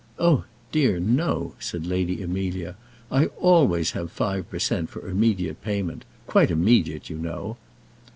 "Oh dear, no," said Lady Amelia. "I always have five per cent. for immediate payment quite immediate, you know."